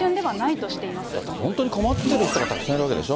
だって本当に困っている人がたくさんいるわけでしょ。